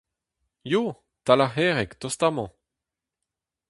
Eo, 'tal ar c'herreg, tost amañ.